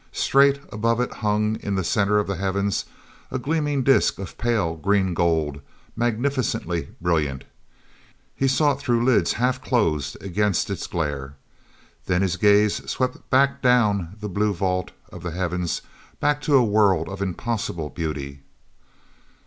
Straight above it hung, in the center of the heavens, a gleaming disk of pale green gold, magnificently brilliant. He saw it through lids half closed against its glare. Then his gaze swept back down the blue vault of the heavens, back to a world of impossible beauty.